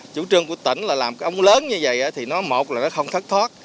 chủ trương của tỉnh là làm cái ống lớn như vậy thì nó một là nó không thất thoát